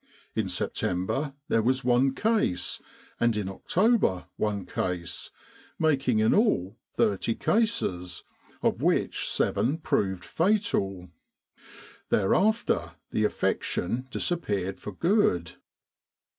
In September there was one case, and in October one case, making in all 30 cases, of which seven proved fatal. Thereafter the affection dis appeared for good.